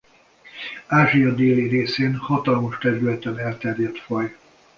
Ázsia déli részén hatalmas területen elterjedt faj.